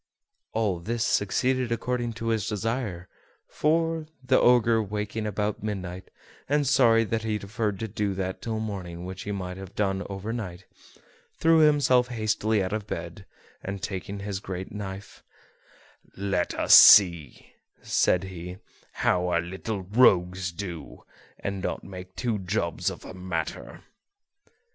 All this succeeded according to his desire; for, the Ogre waking about midnight, and sorry that he deferred to do that till morning which he might have done over night, threw himself hastily out of bed, and, taking his great knife, "Let us see," said he, "how our little rogues do, and not make two jobs of the matter."